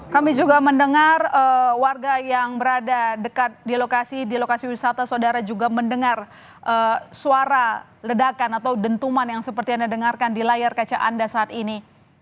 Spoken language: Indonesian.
kami juga mendengar warga yang berada dekat di lokasi wisata saudara juga mendengar suara ledakan atau dentuman yang seperti anda dengarkan di layar kaca anda saat ini